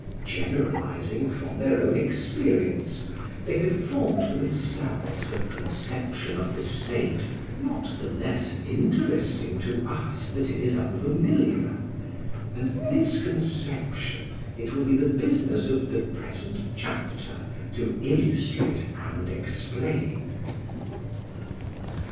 Generalising from their own experience, they had formed for themselves a conception of the state not the less interesting to us that it is unfamiliar; and this conception it will be the business of the present chapter to illustrate and explain.